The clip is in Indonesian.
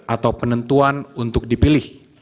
atau penentuan untuk dipilih